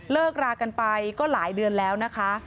รากันไปก็หลายเดือนแล้วนะคะ